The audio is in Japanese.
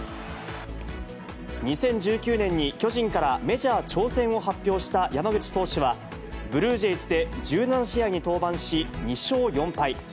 ２０１９年に巨人からメジャー挑戦を発表した山口投手は、ブルージェイズで１７試合に登板し、２勝４敗。